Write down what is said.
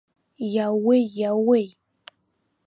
Иаууеи, иаууеи!